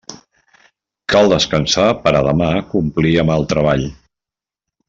Cal descansar per a demà complir amb el treball.